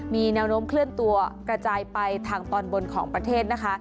มีแนวโน้มเคลื่อนตัวกระจายไปทางตอนบนของประเทศนะคะ